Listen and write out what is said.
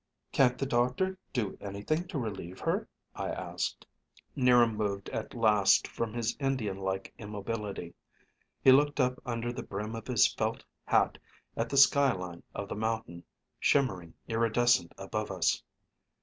"Can't the doctor do anything to relieve her?" I asked. 'Niram moved at last from his Indian like immobility. He looked up under the brim of his felt hat at the sky line of the mountain, shimmering iridescent above us.